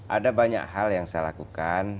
ada banyak hal yang saya lakukan